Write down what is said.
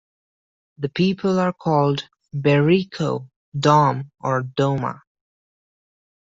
The people are called Bericho, Dom, or Doma.